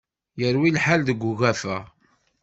Yerwi lḥal deg ugafa.